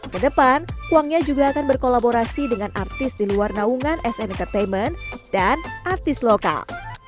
kedepan kuangnya juga akan berkolaborasi dengan artis di luar naungan sm entertainment dan artis lokal